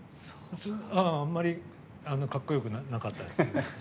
あんまりかっこよくなかったです。